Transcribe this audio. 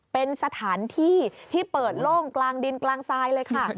เป็นสถานที่ที่เปิดโล่งกลางดินกลางทรายเลยค่ะ